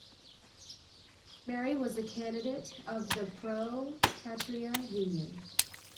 Meri was the candidate of the Pro Patria Union.